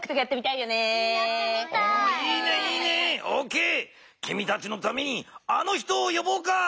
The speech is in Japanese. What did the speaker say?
きみたちのためにあの人をよぼうか。